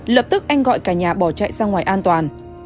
lập tức anh gọi cả nhà bỏ chạy ra ngoài an toàn